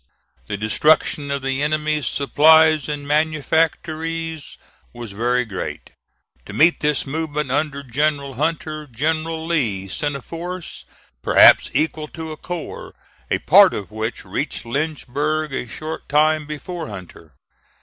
The destruction of the enemy's supplies and manufactories was very great. To meet this movement under General Hunter, General Lee sent a force, perhaps equal to a corps, a part of which reached Lynchburg a short time before Hunter.